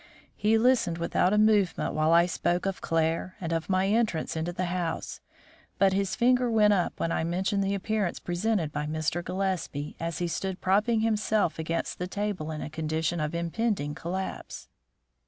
He listened without a movement while I spoke of Claire and of my entrance into the house, but his finger went up when I mentioned the appearance presented by Mr. Gillespie as he stood propping himself against the table in a condition of impending collapse.